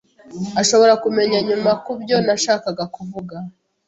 Ashobora kumenya nyuma kubyo nashakaga kuvuga.